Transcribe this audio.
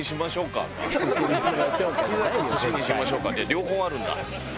両方あるんだ。